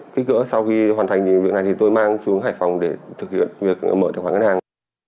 kích cỡ sau khi hoàn thành việc này thì tôi mang xuống hải phòng để thực hiện việc mở tài khoản ngân hàng